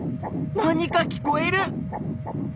何か聞こえる！